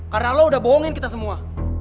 karena lo udah bohongin kita semua